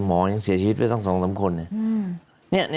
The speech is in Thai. หมอยังเสียชีวิตไปต่างคน